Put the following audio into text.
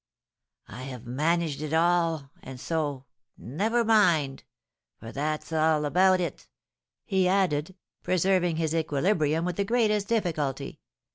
I have managed it all and so never mind for that's all about it!' he added, preserving his equilibrium with the greatest difficulty.